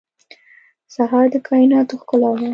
سهار د کایناتو ښکلا ده.